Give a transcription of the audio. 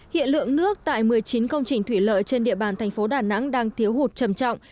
hiện lượng nước tại một mươi chín công trình thủy lợi trên địa bàn thành phố đà nẵng đang thiếu hụt trầm trọng